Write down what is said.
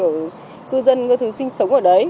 thì cư dân có thứ sinh sống ở đấy